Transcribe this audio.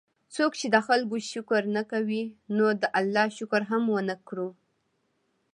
څوک چې د خلکو شکر نه کوي، نو ده د الله شکر هم ونکړو